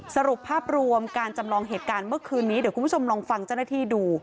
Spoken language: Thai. สรุปภาพรวมการจำลองเหตุการณ์เมื่อคืนนี้เดี๋ยวคุณผู้ชมลองฟังเจ้าหน้าที่ดู